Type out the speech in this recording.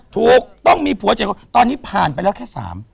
ถูกต้องมีผัว๗คนตอนนี้ผ่านไปแล้วแค่๓